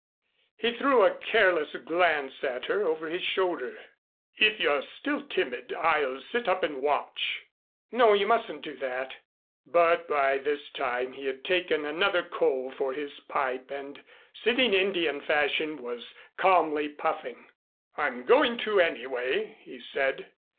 He threw a careless glance at her over his shoulder. "If you're still timid, I'll sit up and watch." "No, you mustn't do that." But by this time he had taken another coal for his pipe and sitting, Indian fashion, was calmly puffing. "I'm going to, anyway," he said.